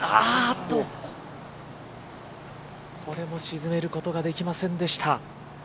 これも沈めることができませんでした。